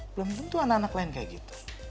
belum tentu anak anak lain kayak gitu